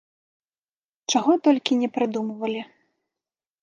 Чаго толькі не прыдумвалі.